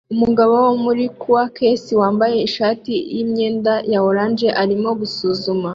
Umugabo wo muri Caucase wambaye ishati yimyenda ya orange arimo gusuzuma